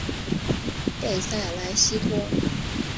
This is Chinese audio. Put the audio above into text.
贝塞莱西托。